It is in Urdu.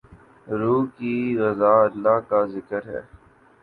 روح کی غذا اللہ کا ذکر ہے۔